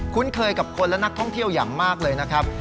เคยกับคนและนักท่องเที่ยวอย่างมากเลยนะครับ